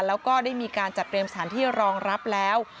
แล้วก็ได้มีการจัดเตรียมสถานที่รองรับแล้ว